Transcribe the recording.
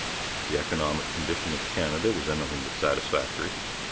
The economic condition of Canada was anything but satisfactory.